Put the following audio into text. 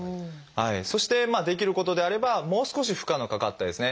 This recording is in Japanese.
そしてまあできることであればもう少し負荷のかかったですね